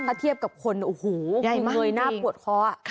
ถ้าเทียบกับคนโอ้โหเงยหน้าปวดคอ